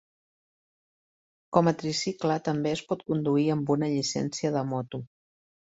Com a tricicle també es pot conduir amb una llicència de moto.